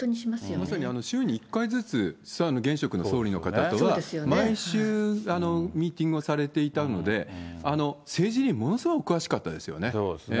まさに週に１回ずつ、首相の方とは、毎週、ミーティングをされていたので、政治にものすごく詳しかったですよね。